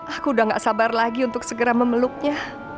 aku udah gak sabar lagi untuk segera memeluknya